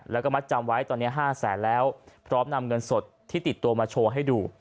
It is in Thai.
แล้วก็มัดจำไว้ตอนนี้๕แสนแล้วพร้อมนำเงินสดที่ติดตัวมาโชว์ให้ดู